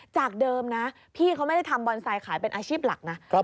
จากเดิมนะพี่เขาไม่ได้ทำบอนไซด์ขายเป็นอาชีพหลักนะ